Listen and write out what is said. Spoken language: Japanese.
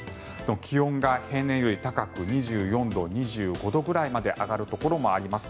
気温が平年より高く２４度、２５度まで上がるところがあります。